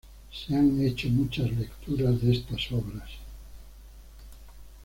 Se han hecho muchas lecturas de estas obras.